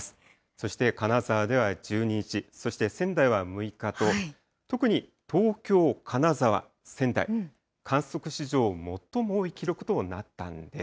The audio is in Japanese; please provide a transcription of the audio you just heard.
そして、金沢では１２日、そして仙台は６日と、特に東京、金沢、仙台、観測史上最も多い記録となったんです。